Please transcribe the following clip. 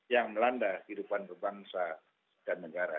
yang melanda kehidupan berbangsa dan negara